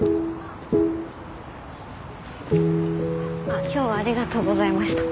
あ今日はありがとうございました。